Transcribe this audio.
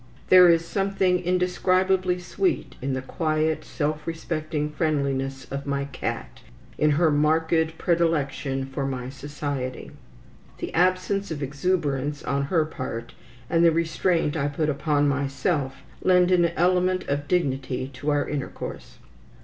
There is something indescribably sweet in the quiet, self respecting friendliness of my cat, in her marked predilection for my society. The absence of exuberance on her part, and the restraint I put upon myself, lend an element of dignity to our intercourse.